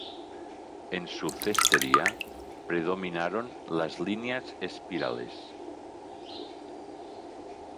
En su cestería predominaron las líneas espirales.